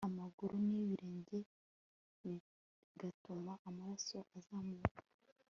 amaguru nibirenge bigatuma amaraso azamuka